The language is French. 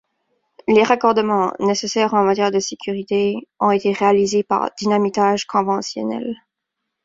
Les raccordements, nécessaires en matière de sécurité, ont été réalisés par dynamitage conventionnel.